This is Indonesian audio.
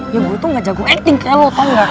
ya gue tuh gak jago acting kayak lo tau gak